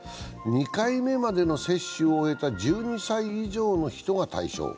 ２回目までの接種を終えた１２歳以上の人が対象。